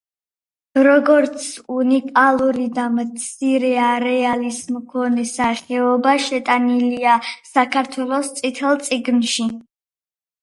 როგორც უნიკალური და მცირე არეალის მქონე სახეობა, შეტანილია საქართველოს „წითელ წიგნში“.